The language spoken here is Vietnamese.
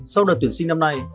sau đợt tuyển sinh năm nay